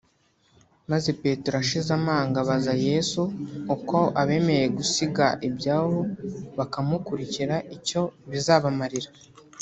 maze Petero ashize amanga abaza Yesu uko abemeye gusiga ibyabo bakamukurikira icyo bizabamarira